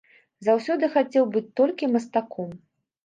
Заўсёды хацеў быць толькі мастаком.